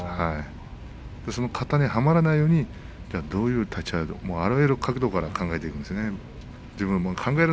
その型にはまらないようにじゃあどういう立ち合いをするかあらゆる角度から考えていくんですね。